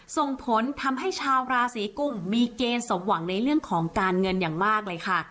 ส่งผลทำให้ชาวราศีกุมมีเกณฑ์สมหวังในเรื่องของการเงินอย่างมากเลยค่ะ